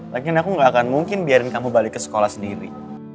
lagi aku gak akan mungkin biarin kamu balik ke sekolah sendiri